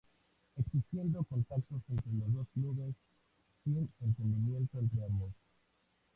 Existiendo contactos entre los dos clubes, sin entendimiento entre ambos.